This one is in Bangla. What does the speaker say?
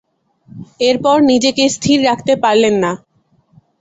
এরপর নিজেকে স্থির রাখতে পারলেন না।